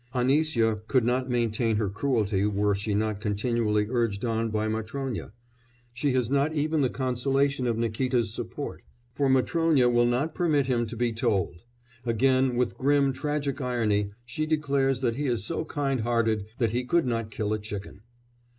Anisya could not maintain her cruelty were she not continually urged on by Matrónya; she has not even the consolation of Nikíta's support, for Matrónya will not permit him to be told; again with grim tragic irony she declares that he is so kind hearted that he could not kill a chicken.